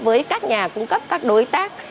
với các nhà cung cấp các đối tác